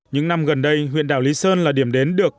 những năm gần đây huyện đảo lý sơn là điểm đến được